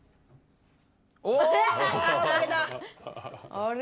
あれ？